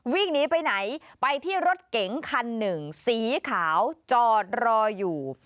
วิ่งหนีไปไหนไปที่รถเก๋งคันหนึ่งสีขาวจอดรออยู่